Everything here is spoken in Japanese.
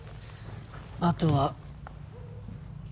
あとは。